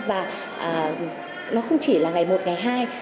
và nó không chỉ là ngày một ngày hai